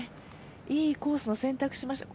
いいコースを選択しました。